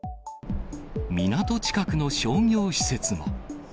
港近くの商業施設も。